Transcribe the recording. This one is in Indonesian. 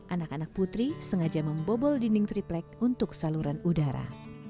anak anak putri sengaja membobol dinding triplek untuk saluran udara